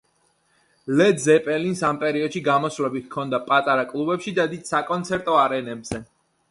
ლედ ზეპელინს ამ პერიოდში გამოსვლები ჰქოდა პატარა კლუბებში და დიდ საკონცერტო არენებზე.